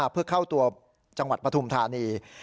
เพื่อเข้าตัวจังหวัดปฐุมธานี